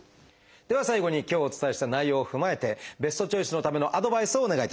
では最後に今日お伝えした内容を踏まえてベストチョイスのためのアドバイスをお願いいたします。